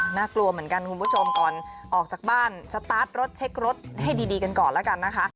น่ากลัวเหมือนกันคุณผู้ชมก่อนออกจากบ้านสตาร์ทรถเช็ครถให้ดีกันก่อนแล้วกันนะคะ